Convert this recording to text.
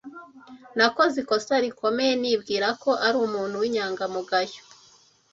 Nakoze ikosa rikomeye nibwira ko ari umuntu w'inyangamugayo.